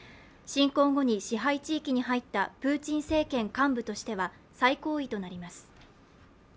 侵攻後に支配地域に入ったプーチン政権幹部としては最高位となります。